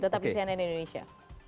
tetap di cnn indonesia